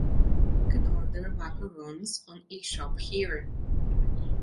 You can order macaroones on e-shop HERE!